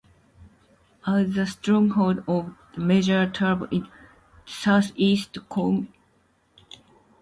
As the stronghold of a major tribe in the south-east, Camulodunum held strategic importance.